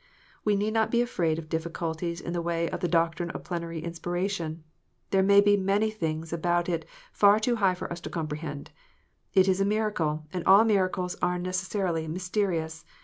We need not be afraid of difficulties in the way of the doctrine of plenary inspiration. There may be many things about it far too high for us to comprehend : it is a miracle, and all miracles are necessarily mysterious.